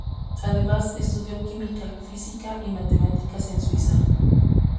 Además estudió química, física y matemáticas en Suiza.